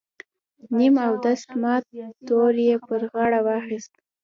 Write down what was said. نیم اودس مات تور یې پر غاړه واخیست.